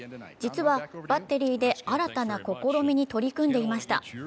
実はバッテリーで新たな試みに取り組んでいました。